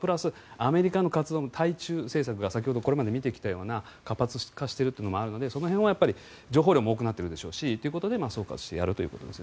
アメリカの活動も対中政策が先ほどこれまで見てきたような活発化しているというのもあるのでその辺は情報量も多くなっているでしょうしということで総括してやっているということです。